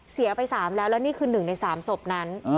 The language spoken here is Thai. เสียไป๓แล้วแล้วนี่คือ๑ใน๓ศพนั้น